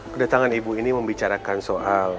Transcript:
kedatangan ibu ini membicarakan soal